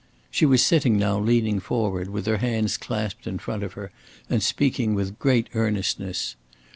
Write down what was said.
She was sitting now leaning forward with her hands clasped in front of her and speaking with great earnestness.